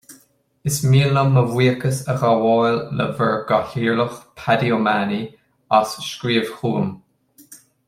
Is mian liom mo bhuíochas a ghabháil le bhur gCathaoirleach, Paddy O'Mahony, as scríobh chugam